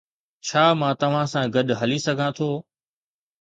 ڇا مان توهان سان گڏ هلي سگهان ٿو